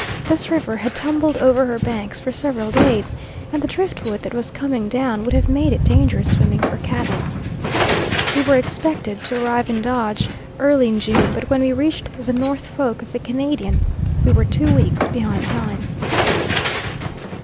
This river had tumbled over her banks for several days, and the driftwood that was coming down would have made it dangerous swimming for cattle. We were expected to arrive in Dodge early in June, but when we reached the North Fork of the Canadian, we were two weeks behind time.